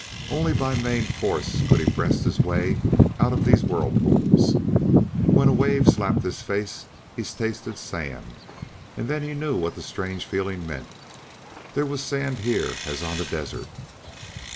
Only by main force could he breast his way out of these whirlpools. When a wave slapped his face he tasted sand, and then he knew what the strange feeling meant. There was sand here as on the desert.